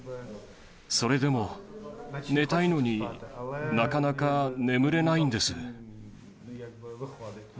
それでも、寝たいのに、なかなか眠れないんです。